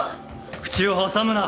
口を挟むな！